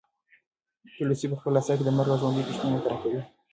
تولستوی په خپل اثر کې د مرګ او ژوند پوښتنې مطرح کوي.